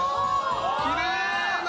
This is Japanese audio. きれいな。